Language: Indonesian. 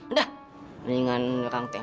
udah ringan orang teh